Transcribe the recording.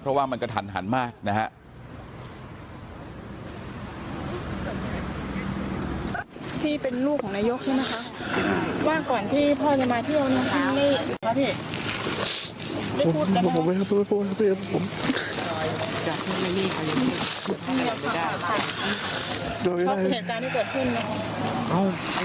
เพราะว่ามันกระทันหันมากนะฮะ